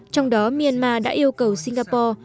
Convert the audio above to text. trong đó myanmar đã yêu cầu singapore